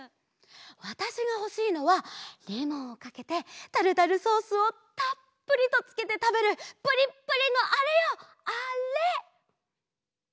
わたしがほしいのはレモンをかけてタルタルソースをたっぷりとつけてたべるプリップリのあれよあれ！